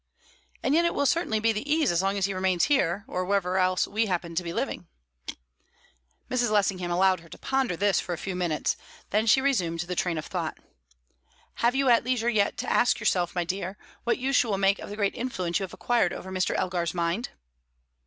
"And yet it will certainly be the ease as long as he remains here or wherever else we happen to be living." Mrs. Lessingham allowed her to ponder this for a few minutes. Then she resumed the train of thought. "Have you had leisure yet to ask yourself, my dear, what use you will make of the great influence you have acquired over Mr. Elgar's mind?"